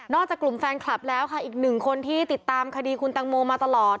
จากกลุ่มแฟนคลับแล้วค่ะอีกหนึ่งคนที่ติดตามคดีคุณตังโมมาตลอด